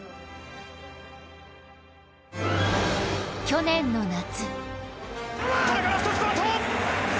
去年の夏。